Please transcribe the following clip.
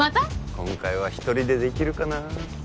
今回は１人でできるかなあ？